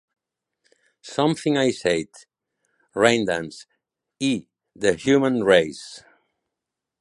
"Something I Said", "Raindance" i "The Human Race".